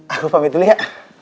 aku pamit dulu ya